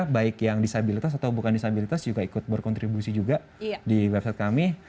baik yang disabilitas atau bukan disabilitas juga ikut berkontribusi juga di website kami